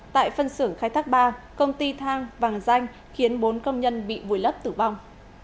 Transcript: tại phân xưởng khai thác ba công ty thang vàng danh khiến bốn công nhân bị vùi lấp tử vong